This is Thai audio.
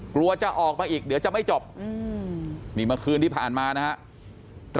กลัวจะออกมาอีกเดี๋ยวจะไม่จบนี่เมื่อคืนที่ผ่านมานะครับ